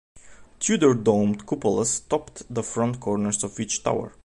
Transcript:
Tudor domed cupolas topped the front corners of each tower.